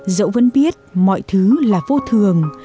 dẫu vẫn biết mọi thứ là vô thường